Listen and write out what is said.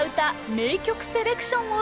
名曲セレクションをどうぞ